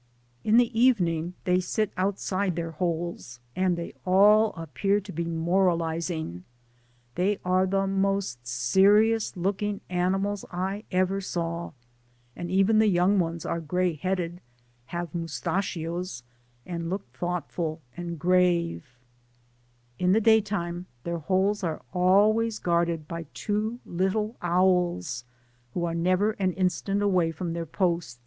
In the evening they sit outside their holes, and they all appear to be moralising. They are the most serious looking animals I ever saw, and even the young ones are grey headed, have mus tachios, and look thoughtful and grave. Digitized byGoogk THE PAMPAS. 85 In the day time their holes are always guarded by two little owls, who are never an instant away from their post.